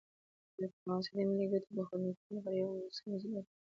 ډیپلوماسي د ملي ګټو د خوندیتوب لپاره یوه مؤثره وسیله ده.